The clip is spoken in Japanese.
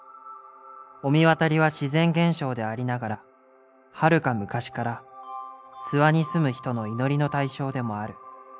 御神渡りは自然現象でありながらはるか昔から諏訪に住む人の祈りの対象でもある。